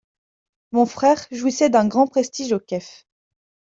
Mon frère jouissait d’un grand prestige au Kef.